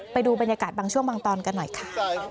ไปดูบรรยากาศบางช่วงบางตอนกันหน่อยค่ะ